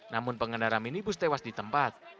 namun pengendara minibus tewas ditempat